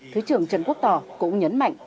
thứ trưởng trần quốc tò cũng nhấn mạnh